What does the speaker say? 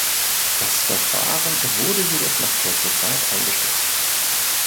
Das Verfahren wurde jedoch nach kurzer Zeit eingestellt.